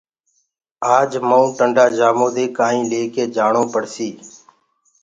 آج مئونٚ ٽندآ جآمو دي ڪآئينٚ ليڪي جآڻو پڙسيٚ